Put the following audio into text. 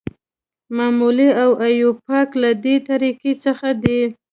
معمولي او ایوپاک له دې طریقو څخه دي.